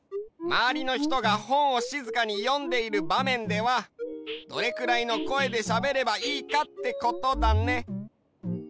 まわりのひとがほんをしずかによんでいるばめんではどれくらいの声でしゃべればいいかってことだね。